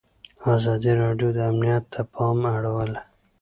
ازادي راډیو د امنیت ته پام اړولی.